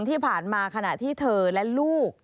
ที่ผ่านมาขณะที่เธอและลูก